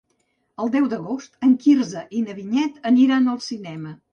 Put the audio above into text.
El deu d'agost en Quirze i na Vinyet aniran al cinema.